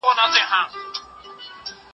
زه خبري کړې دي.